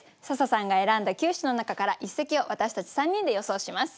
笹さんが選んだ９首の中から一席を私たち３人で予想します。